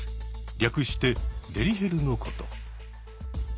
略してデリヘルのこと。